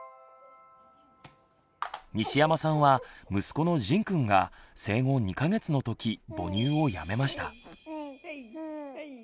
西山さんは息子のじんくんが生後２か月のとき母乳をやめました。